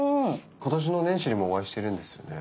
今年の年始にもお会いしてるんですよね？